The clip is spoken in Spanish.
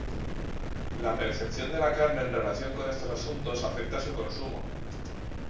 La percepción de la carne en relación con estos asuntos afecta su consumo.